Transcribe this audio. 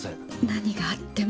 何があっても。